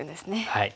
はい。